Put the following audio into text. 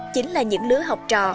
chính là những lứa học trò